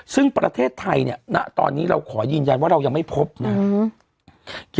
ซึ่งประเทศไทยเนี่ยณตอนนี้เราขอยืนยันว่าเรายังไม่พบนะครับ